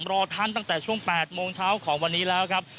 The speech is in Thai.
รอท่านตั้งแต่ช่วง๘โมงเช้าของวันนี้แล้วครับ